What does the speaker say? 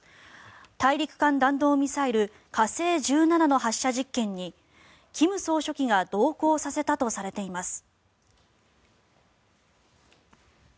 大陸間弾道ミサイル火星１７の発射実験に金総書記が同行させたとされています。